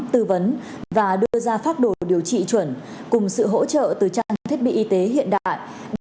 tư vấn và đưa ra pháp đồ điều trị chuẩn cùng sự hỗ trợ từ trang thiết bị y tế hiện đại